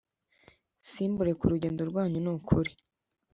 simbure ku rugendo rwanyu nukuri